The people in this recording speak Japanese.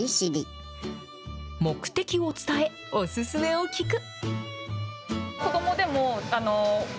目的を伝え、お薦めを聞く。